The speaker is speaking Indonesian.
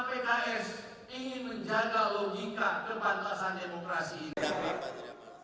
maka pks ingin menjaga logika kepantasan demokrasi ini